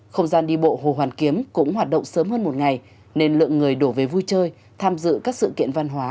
không gian đi bộ hồ hoàn kiếm cũng hoạt động sớm hơn một ngày nên lượng người đổ về vui chơi tham dự các sự kiện văn hóa